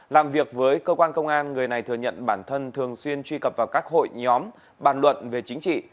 làm việc với cơ quan công an người này thừa nhận bản thân thường xuyên truy cập vào các hội nhóm bàn luận về chính trị